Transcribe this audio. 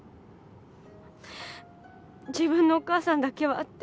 自分のお母さんだけはって。